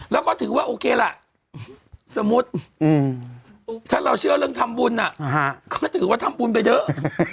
แล้วก็ถือว่าโอเคล่ะสมมุติถ้าเราเชื่อเรื่องทำบุญก็ถือว่าทำบุญไปเถอะ